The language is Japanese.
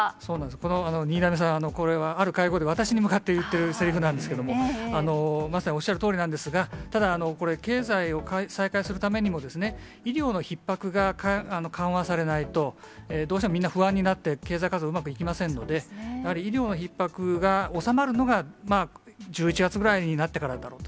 この新浪さん、これはある会合で、私に向かって言ってるせりふなんですけれども、まさにおっしゃるとおりなんですが、ただ、これ、経済を再開するためにもですね、医療のひっ迫が緩和されないと、どうしてもみんな不安になって、経済活動うまくいきませんので、やはり、医療のひっ迫が収まるのが１１月ぐらいになってからだろうと。